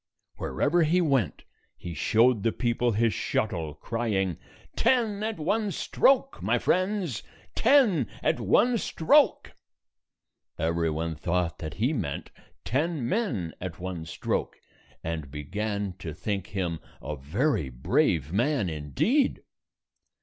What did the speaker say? Wherever he went, he showed the people his shuttle, crying, "Ten at one stroke, my friends! Ten at one stroke!" Every one thought that he meant ten men at 128 one stroke, and began to think him a very brave man, indeed.